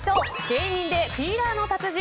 芸人でピーラーの達人